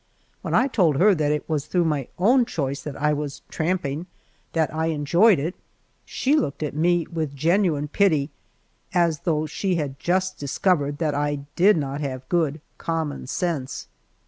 When I told her that it was through my own choice that I was "tramping," that I enjoyed it she looked at me with genuine pity, and as though she had just discovered that I did not have good common sense.